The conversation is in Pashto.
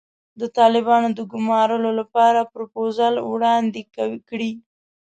د طالبانو د ګومارلو لپاره پروفوزل وړاندې کړي.